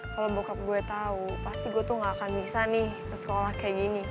kalau bokap gue tau pasti gue tuh gak akan bisa nih ke sekolah kayak gini